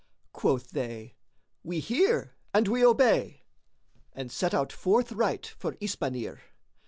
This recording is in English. Quoth they, "We hear and we obey," and set out forthright for Isbanir.